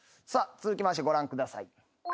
さあ続きましてご覧ください。